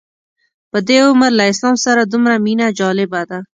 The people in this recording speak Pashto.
په دې عمر له اسلام سره دومره مینه جالبه ده.